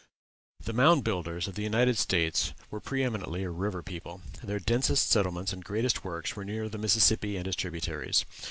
The Mound Builders of the United States were pre eminently a river people. Their densest settlements and greatest works were near the Mississippi and its tributaries.